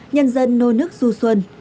nhân dân nô nước du xuân